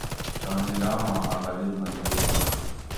تانی لاماں ا غریب مزدور آشو